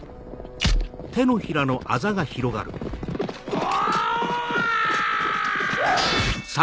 お！